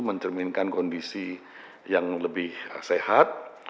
mencerminkan kondisi yang lebih sehat